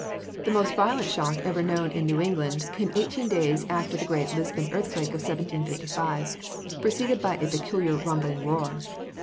The most violent shock ever known in New England came eighteen days after the great Lisbon earthquake of 1755, preceded by a peculiar, rumbling roar.